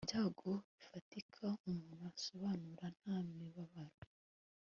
ibyago bifatika umuntu asobanura nta mibabaro